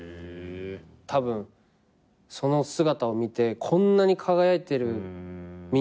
たぶんその姿を見てこんなに輝いてるみんなを。